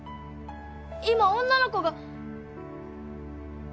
今女の子が。